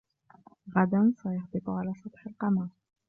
غداً سيهبط على سطح القمر.